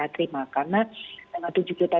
terima karena dengan tujuh juta